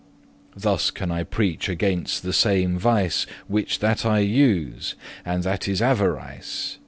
<3> Thus can I preach against the same vice Which that I use, and that is avarice.